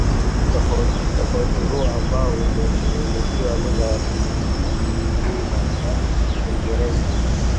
utafiti huu ambao umeshughulikia lugha ya Kigiryama na Kiingereza